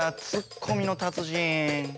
つっこみの達人。